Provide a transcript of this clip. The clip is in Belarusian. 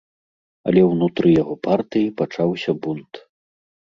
Але ўнутры яго партыі пачаўся бунт.